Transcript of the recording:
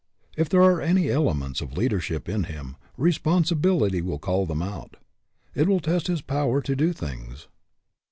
If there are any elements of leadership in him, responsibility will call them out. It will test his power to do things.